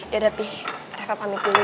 ya tapi reva pamit dulu ya